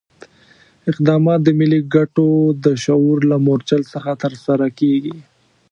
اقدامات د ملي ګټو د شعور له مورچل څخه ترسره کېږي.